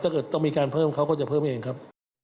ถ้าเกิดต้องมีการเพิ่มเขาก็จะเพิ่มเองครับ